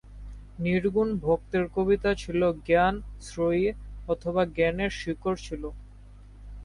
নির্গুণ ভক্তের কবিতা ছিল জ্ঞান-শ্রেয়ী, অথবা জ্ঞানের শিকড় ছিল।